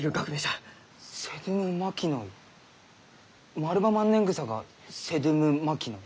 マルバマンネングサがセドゥム・マキノイ？